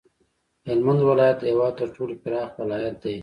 هلمند ولایت د هیواد تر ټولو پراخ ولایت دی